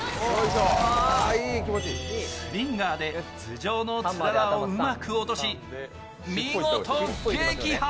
スリンがーで頭上のつららをうまく落とし、見事撃破。